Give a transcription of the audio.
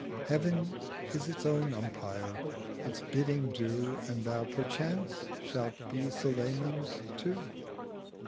Heav'n its own Umpire is; its Bidding do, And Thou perchance shalt be Sulayman's too.'